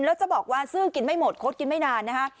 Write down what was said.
แล้วจะบอกว่าซื้อกินไม่หมดคดกินไม่นานนะฮะ